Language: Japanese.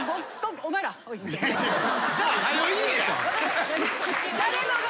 じゃあ早いけや。